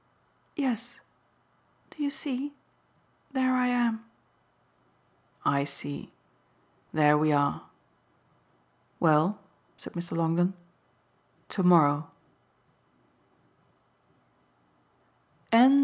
"Yes. Do you see? There I am." "I see. There we are. Well," said Mr. Longdon "to morrow."